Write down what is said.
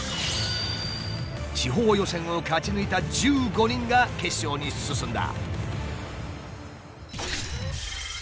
地方予選を勝ち抜いた１５人が決勝に進んだ。